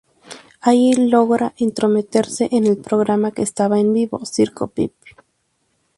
Allí logra entrometerse en el programa que estaba en vivo, "Circo Pip".